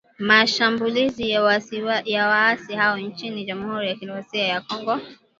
mashambulizi ya waasi hao nchini jamhuri ya kidemokrasia ya Kongo